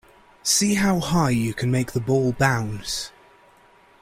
See how high you can make the ball bounce